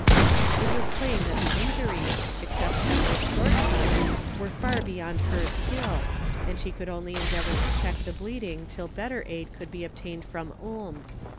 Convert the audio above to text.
It was plain that the injuries, except Ebbo's sword cut, were far beyond her skill, and she could only endeavour to check the bleeding till better aid could be obtained from Ulm.